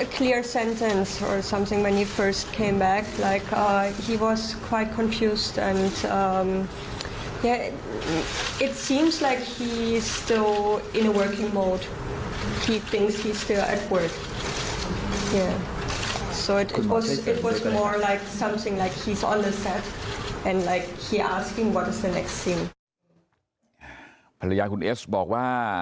คุณกริซิน่าภรรยาของคุณเอสบอกว่า